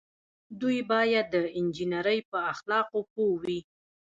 دوی باید د انجنیری په اخلاقو پوه وي.